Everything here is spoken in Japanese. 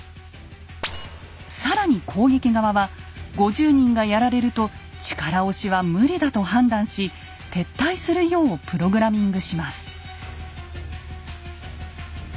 更に攻撃側は５０人がやられると力押しは無理だと判断し撤退するようプログラミングします。